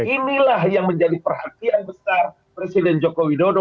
inilah yang menjadi perhatian besar presiden jokowi dodo